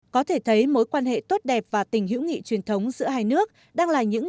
có thể thấy mối quan hệ tốt đẹp và tình hữu nghị truyền thống giữa hai nước đang là những